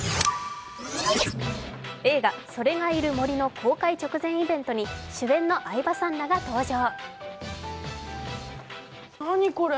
映画「“それ”がいる森」の公開直前イベントに主演の相葉さんらが登場。